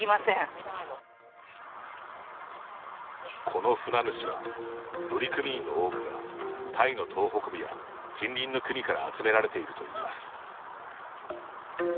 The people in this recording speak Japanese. この船主は、乗組員の多くがタイの東北部や近隣の国から集められているといいます。